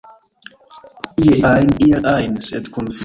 Ie ajn, iel ajn, sed kun vi!